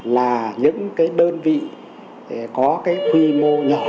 là những đơn vị có cái quy mô nhỏ hoặc là một số những đơn vị